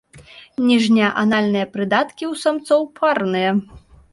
Ніжнія анальныя прыдаткі ў самцоў парныя.